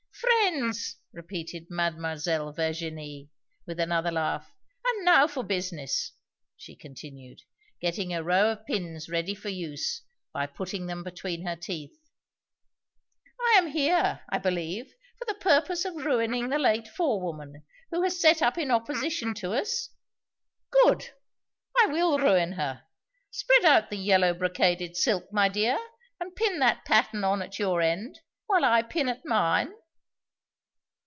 "Friends," repeated Mademoiselle Virginie, with another laugh. "And now for business," she continued, getting a row of pins ready for use by putting them between her teeth. "I am here, I believe, for the purpose of ruining the late forewoman, who has set up in opposition to us? Good! I will ruin her. Spread out the yellow brocaded silk, my dear, and pin that pattern on at your end, while I pin at mine.